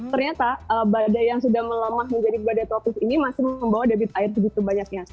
ternyata badai yang sudah melemah menjadi badai tropis ini masih membawa debit air segitu banyaknya